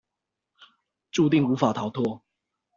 註定無法跳脫